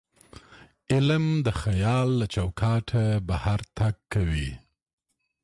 علم د خیال له چوکاټه بهر تګ کوي.